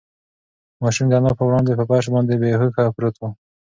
ماشوم د انا په وړاندې په فرش باندې بې هوښه پروت و.